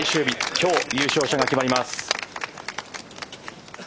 今日、優勝者が決まります。